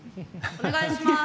お願いします。